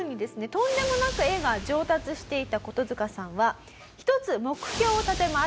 とんでもなく絵が上達していったコトヅカさんは１つ目標を立てます。